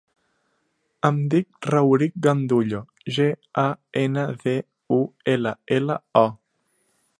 Em dic Rauric Gandullo: ge, a, ena, de, u, ela, ela, o.